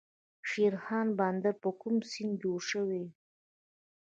شیرخان بندر په کوم سیند جوړ شوی؟